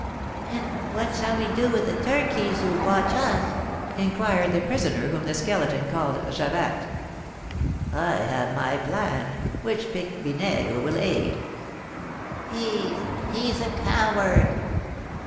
"And what shall we do with the turnkeys who watch us?" inquired the prisoner whom the Skeleton called Javatte. "I have my plan, which Pique Vinaigre will aid." "He! He's a coward."